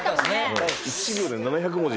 １秒で７００文字。